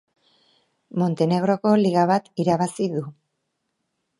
Montenegroko liga bat irabazi du.